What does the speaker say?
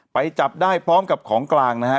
ไปจับได้พร้อมกับของกลางนะฮะ